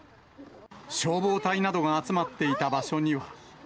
消防隊などが集まっていた場所には。